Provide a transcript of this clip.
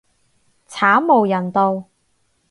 慘無人道